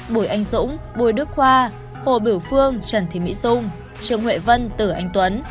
bùi anh dũng bùi đức khoa hồ bửu phương trần thị mỹ dung trường huệ vân tử anh tuấn